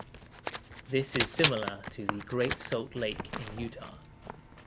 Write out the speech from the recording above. This is similar to the Great Salt Lake in Utah.